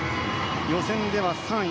予選では３位。